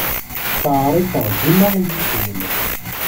Steɛṛifeɣ dima yes-wen.